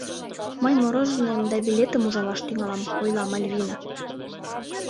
— Мый мороженыйым да билетым ужалаш тӱҥалам, — ойла Мальвина.